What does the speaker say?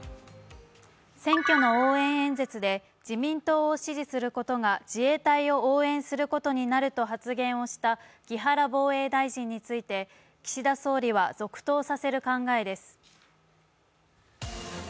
選挙の応援演説で自民党を支持することが自衛隊を応援することになると発言した木原防衛大臣について、岸田総理は続投させる考えです。